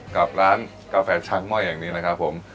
กับร้านกาแฟช้างม่อยอย่างนี้นะครับผม